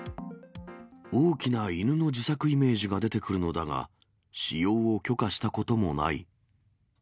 大きな犬の自作イメージが出てくるのだが、使用を許可したこともない。